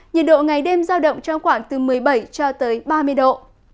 nhiệt độ ngày đêm giao động trong khoảng từ một mươi bảy cho tới ba mươi độ